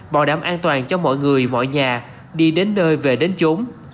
bảo đảm an toàn cho mọi người mọi nhà đi đến nơi về đến chỗ